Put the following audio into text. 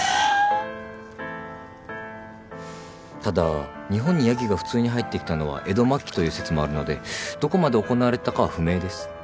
ただ日本にヤギが普通に入ってきたのは江戸末期という説もあるのでどこまで行われてたかは不明です。